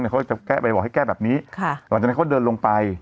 เขาจะแก้ไปบอกให้แก้แบบนี้หลังจากนั้นเขาเดินลงไป